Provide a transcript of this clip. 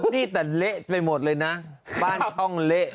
นี่แต่เละไปหมดเลยนะบ้านช่องเละ